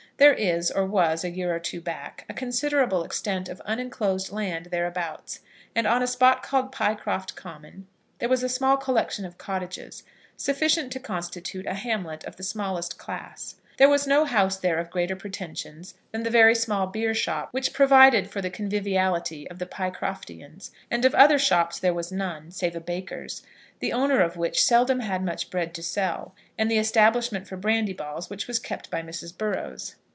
There is, or was a year or two back, a considerable extent of unenclosed land thereabouts, and on a spot called Pycroft Common there was a small collection of cottages, sufficient to constitute a hamlet of the smallest class. There was no house there of greater pretensions than the very small beershop which provided for the conviviality of the Pycroftians; and of other shops there was none, save a baker's, the owner of which seldom had much bread to sell, and the establishment for brandy balls, which was kept by Mrs. Burrows.